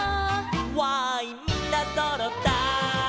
「わーいみんなそろったい」